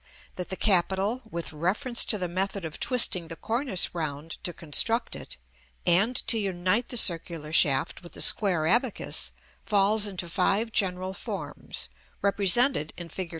That the capital, with reference to the method of twisting the cornice round to construct it, and to unite the circular shaft with the square abacus, falls into five general forms, represented in Fig.